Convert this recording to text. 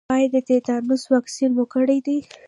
ایا د تیتانوس واکسین مو کړی دی؟